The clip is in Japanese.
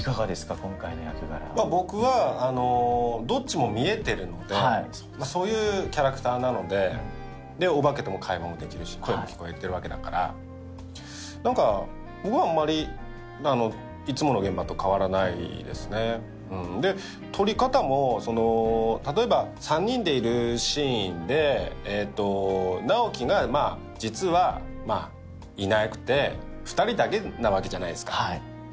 今回の役柄はまあ僕はどっちも見えてるのでそういうキャラクターなのででオバケとも会話もできるし声も聞こえてるわけだから何か僕はあんまりいつもの現場と変わらないですねで撮り方も例えば３人でいるシーンで直木が実はいなくて２人だけなわけじゃないですか